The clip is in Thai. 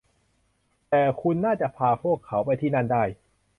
แต่คุณน่าจะพาพวกเขาไปที่นั่นได้